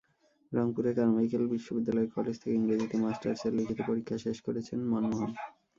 রংপুরের কারমাইকেল বিশ্ববিদ্যালয় কলেজ থেকে ইংরেজিতে মাস্টার্সের লিখিত পরীক্ষা শেষ করেছেন মনমোহন।